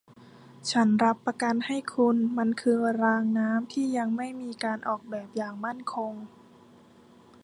ฉันรับประกันให้คุณ มันคือรางน้ำที่ยังไม่มีการออกแบบอย่างมั่นคง